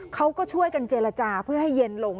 เขาก็ช่วยกันเจรจาเพื่อให้เย็นลง